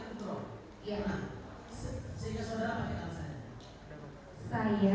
tidak jelasan daripada apa itu